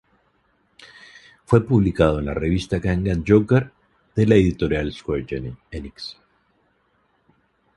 Fue publicado en la revista Gangan Joker de la editorial Square Enix.